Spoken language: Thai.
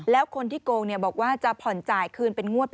แล้วคนที่โกงบอกว่าจะผ่อนจ่ายคืนเป็นงวด